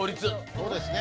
そうですね。